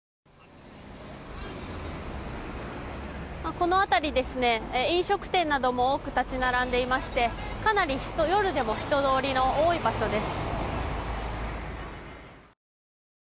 この辺り、飲食店なども多く立ち並んでいましてかなり夜でも人通りの多い場所です。